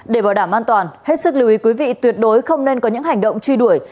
để bảo đảm an toàn hết sức lưu ý quý vị tuyệt đối không nên có những hành động truy đuổi